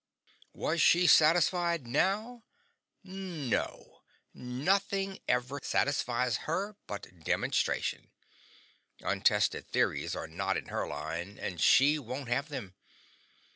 Was she satisfied now? No. Nothing ever satisfies her but demonstration; untested theories are not in her line, and she won't have them.